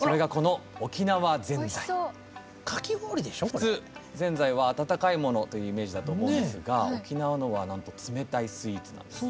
普通ぜんざいは温かいものというイメージだと思うんですが沖縄のは冷たいスイーツなんです。